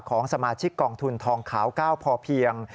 ของสมาชิกกองทุนทองขาว๙พอเพียง